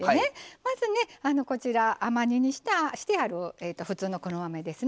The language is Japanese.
まず、甘煮にしてある普通の黒豆ですね。